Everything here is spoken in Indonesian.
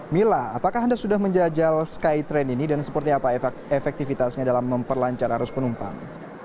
mila apakah anda sudah menjajal skytrain ini dan seperti apa efektivitasnya dalam memperlancar arus penumpang